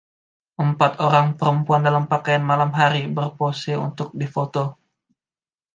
empat orang perempuan dalam pakaian malam hari berpose untuk difoto.